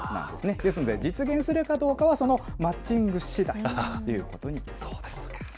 ですので、実現するかどうかは、そのマッチングしだいということになりそうです。